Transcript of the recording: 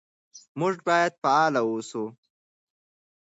موږ باید فعال اوسو.